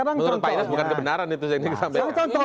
menurut pak inas bukan kebenaran itu yang disampaikan